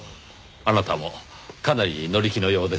あなたもかなり乗り気のようですが。